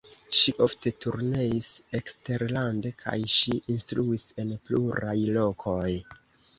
Ŝi ofte turneis eksterlande kaj ŝi instruis en pluraj lokoj.